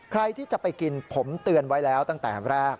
ใครที่จะไปกินผมเตือนไว้แล้วตั้งแต่แรก